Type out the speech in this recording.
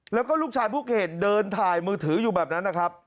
แล้วก็ลูกชายผู้เขตเดินถ่ายมือถืออยู่แบบนั้นนะครับ